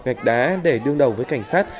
gạch đá để đương đầu với cảnh sát